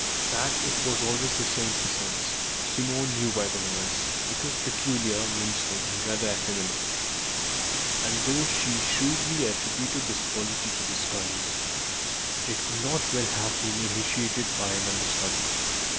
That it was always the same Presence, Simone knew by the voice. It was peculiar, mincing, and rather effeminate, and though she shrewdly attributed this quality to disguise, it could not well have been imitated by an understudy.